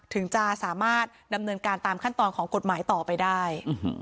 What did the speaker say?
ถึงจะสามารถดำเนินการตามขั้นตอนของกฎหมายต่อไปได้